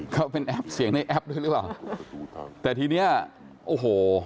เขาเป็นแอปเสียงในแอปด้วยหรือเปล่าแต่ทีเนี้ยโอ้โห